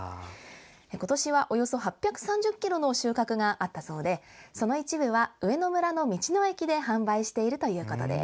今年はおよそ８３０ｋｇの収穫があったそうでその一部は、上野村の道の駅で販売しているということです。